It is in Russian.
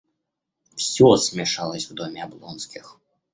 Всё смешалось в доме Облонских.